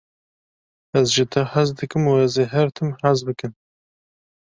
Ez ji te hez dikim û ez ê her tim hez bikim.